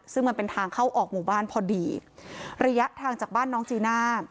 ซึ่งมันเป็นทางเข้าออกหมู่บ้านพอดีระยะทางจากบ้านน้องจีน่า